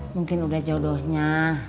mungkin udah jodohnya